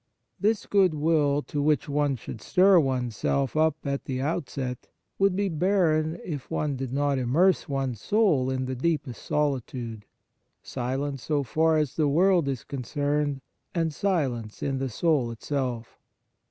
This good will, to which one should stir oneself up at the outset, would be barren, if one did not immerse one s soul in the deepest solitude. Silence so far as the world is con cerned, and silence in the soul itself.